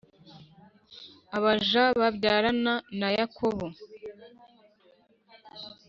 Abaja babyarana na Yakobo